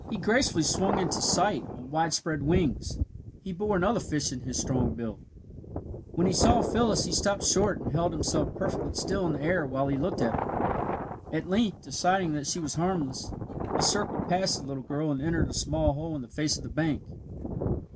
He gracefully swung into sight on wide spread wings. He bore another fish in his strong bill. When he saw Phyllis he stopped short and held himself perfectly still in the air while he looked at her. At length, deciding that she was harmless, he circled past the little girl and entered a small hole on the face of the bank.